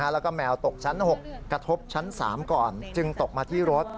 แล้วก็แมวตกชั้น๖กระทบชั้น๓ก่อนจึงตกมาที่รถ